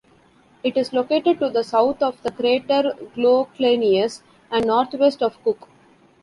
It is located to the south of the crater Goclenius, and northwest of Cook.